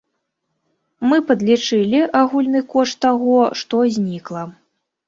Мы падлічылі агульны кошт таго, што знікла.